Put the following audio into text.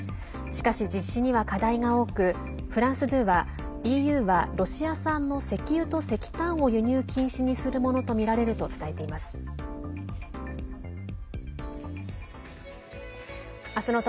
しかし、実施には課題が多くフランス２はＥＵはロシア産の石油と石炭を輸入禁止にするものとみられると伝えています。